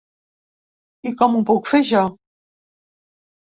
I com ho puc fer jo?